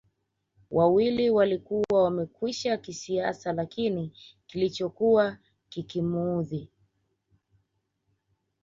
wawili walikuwa wamekwisha kisiasa Lakini kilichokuwa kikimuudhi